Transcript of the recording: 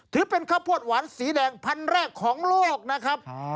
ถือเป็นข้าวโพดหวานสีแดงพันธุ์แรกของโลกนะครับ